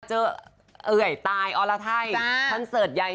เจอเอ่ยตายออระถัย